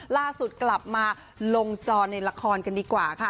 ล่าสุดกลับมาลงจอในละครกันดีกว่าค่ะ